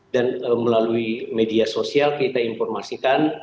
dan melalui media sosial kita informasikan